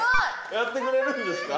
やってくれるんですか？